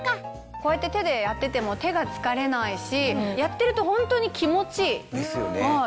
こうやって手でやってても手が疲れないしやってるとホントに気持ちいい。